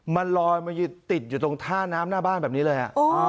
มันลอยมาติดอยู่ตรงท่าน้ำหน้าบ้านแบบนี้เลย